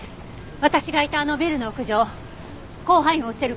私がいたあのビルの屋上広範囲を映せる